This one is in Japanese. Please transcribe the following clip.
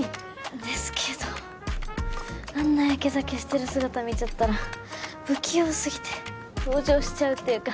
ですけどあんなやけ酒してる姿見ちゃったら不器用過ぎて同情しちゃうっていうか。